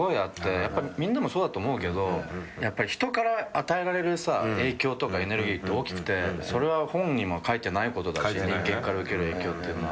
やっぱみんなもそうだと思うけど人から与えられる影響とかエネルギーって大きくてそれは本にも書いてないことだし人間から受ける影響っていうのは。